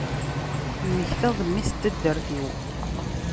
Mmektaɣ-d mmi-s n taddart-iw.